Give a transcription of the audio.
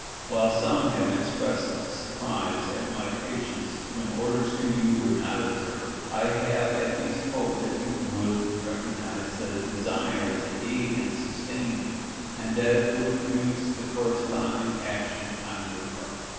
While some have expressed surprise at my patience when orders to you were not observed, I have at least hoped that you would recognize the desire to aid and sustain you, and that it would produce the corresponding action on your part.